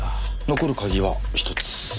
残る鍵は１つ。